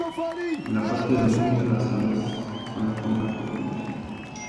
En la parte del monte, las aves son la fauna predominante.